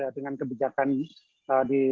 dengan kebijakan di